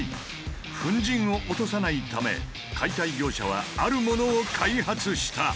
粉じんを落とさないため解体業者はあるものを開発した。